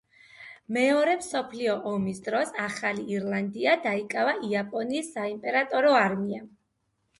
მეორე მსოფლიო ომის დროს ახალი ირლანდია დაიკავა იაპონიის საიმპერატორო არმიამ.